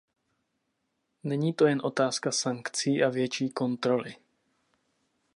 Není to jen otázka sankcí a větší kontroly.